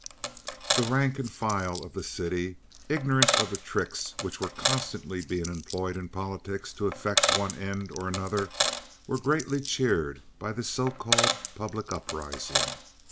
The rank and file of the city, ignorant of the tricks which were constantly being employed in politics to effect one end or another, were greatly cheered by this so called "public uprising."